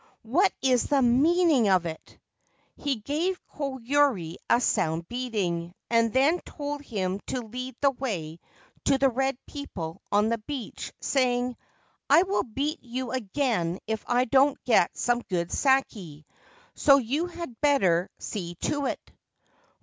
What is the meaning of it ?' He gave Koyuri a sound beating, and then told him to lead the way to the red people on the beach, saying, * I will beat you again if I don't get some good sake ; so you had better see to it